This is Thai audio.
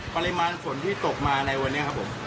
ปริมาณฝนที่ตกมาในวันนี้ครับผม